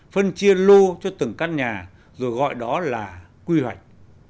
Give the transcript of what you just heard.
phân chia lô cho từng căn nhà rồi gọi đó là quy hoạch